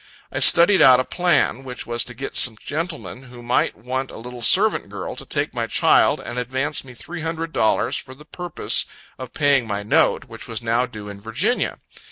I studied out a plan; which was to get some gentleman who might want a little servant girl, to take my child, and advance me three hundred dollars for the purpose of paying my note, which was now due in Virginia.